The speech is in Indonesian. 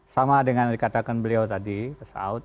sama dengan yang dikatakan beliau tadi pesawat